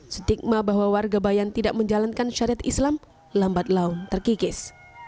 stigma bahwa warga bayan tidak menjalankan syariat islam lambat laun terkikis